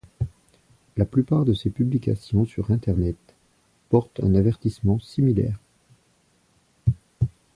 La plupart de ces publications sur Internet portent un avertissement similaire.